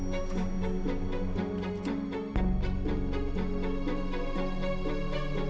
hubungan kita sama nenek kan gak begitu bagus akhir akhir ini